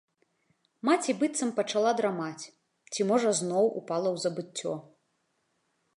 Маці быццам пачала драмаць ці, можа, зноў упала ў забыццё.